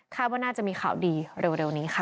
ว่าน่าจะมีข่าวดีเร็วนี้ค่ะ